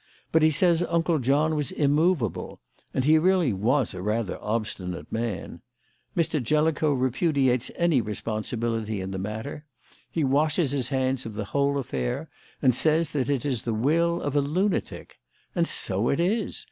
But he says Uncle John was immovable; and he really was a rather obstinate man. Mr. Jellicoe repudiates any responsibility in the matter. He washes his hands of the whole affair, and says that it is the will of a lunatic. And so it is.